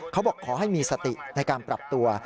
เขาบอกขอให้มีสติในการปรับตัว